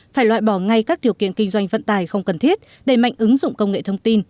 phải loại bỏ ngay các điều kiện kinh doanh vận tài không cần thiết đẩy mạnh ứng dụng công nghệ thông tin